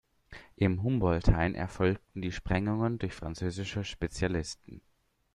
Im Humboldthain erfolgten die Sprengungen durch französische Spezialisten.